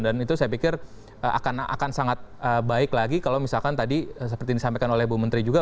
dan itu saya pikir akan sangat baik lagi kalau misalkan tadi seperti disampaikan oleh ibu menteri juga